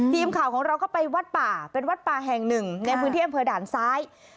ทีมข่าวของเราก็ไปวัดป่าเป็นวัดป่าแห่งหนึ่งในพื้นที่อำเภอด่านซ้าย